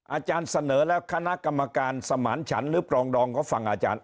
อาจารย์เสนอแล้วคณะกรรมการสมานฉันหรือปรองดองก็ฟังอาจารย์